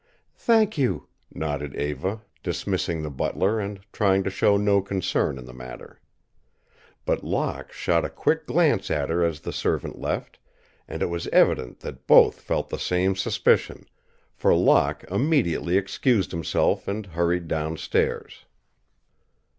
"Thank you," nodded Eva, dismissing the butler and trying to show no concern in the matter. But Locke shot a quick glance at her as the servant left, and it was evident that both felt the same suspicion, for Locke immediately excused himself and hurried down stairs.